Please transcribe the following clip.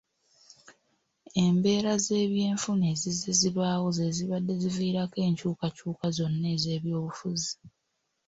Embeera z'ebyenfuna ezizze zibaawo ze zibadde ziviirako enkyukakyuka zonna ez'ebyobufuzi.